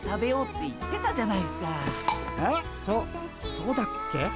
そそうだっけ？